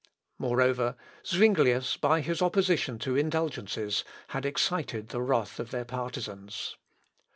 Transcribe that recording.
Moreover, Zuinglius, by his opposition to indulgences, had excited the wrath of their partisans.